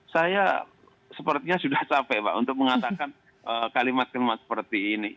saya sepertinya sudah capek pak untuk mengatakan kalimat kalimat seperti ini